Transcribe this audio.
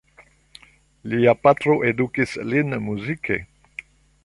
Lia patro edukis lin muzike.